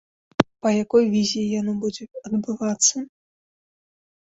Па якой візе яно будзе адбывацца?